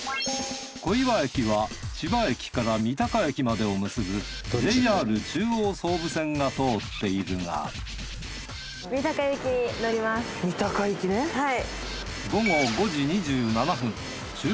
小岩駅は千葉駅から三鷹駅までを結ぶＪＲ中央・総武線が通っているがはい。